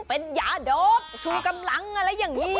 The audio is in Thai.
เป็นยาโดปชูกำลังอะไรอย่างนี้